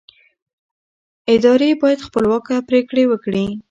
ادارې باید خپلواکه پرېکړې وکړي